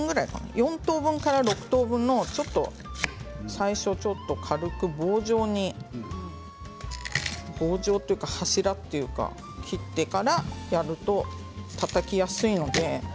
４等分から６等分のちょっと最初、軽く棒状に棒状というか柱というか切ってからやるとたたきやすいので。